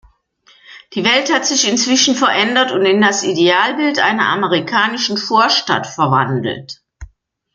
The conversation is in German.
Die Welt hat sich inzwischen verändert und in das Idealbild einer amerikanischen Vorstadt verwandelt.